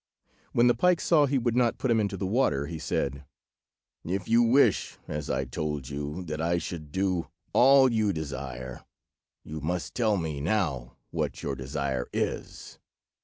When the pike saw he would not put him into the water, he said— "If you wish, as I told you, that I should do all you desire, you must tell me now what your desire is."